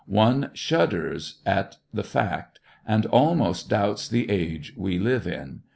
One shudders at the fact, and almost doubts the age we live in.